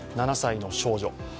７歳の少女。